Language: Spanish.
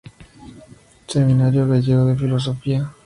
Seminario Gallego de Filosofía.